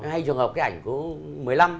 hay trường hợp cái ảnh của một mươi năm